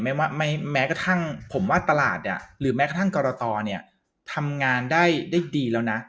แม้กระทั่งผมว่าตลาดหรือแม้กระทั่งกรตเนี่ยทำงานได้ดีแล้วนะ